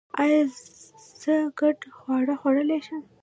ایا زه ګډ خواړه خوړلی شم؟